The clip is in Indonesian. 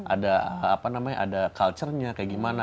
ada apa namanya ada culture nya kayak gimana